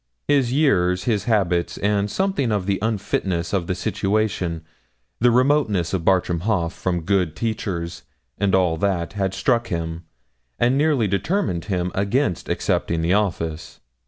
His years, his habits, and something of the unfitness of the situation, the remoteness of Bartram Haugh from good teachers, and all that, had struck him, and nearly determined him against accepting the office.